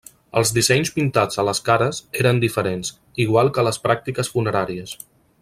Els dissenys pintats a les cares eren diferents, igual que les pràctiques funeràries.